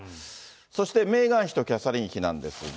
そして、メーガン妃とキャサリン妃なんですが。